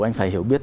anh phải hiểu biết